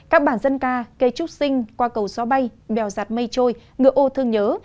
các bản dân ca kê trúc sinh qua cầu gió bay bèo giặt mây trôi ngựa ô thương nhớ